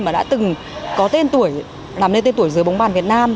mà đã từng có tên tuổi làm nên tên tuổi dưới bóng bàn việt nam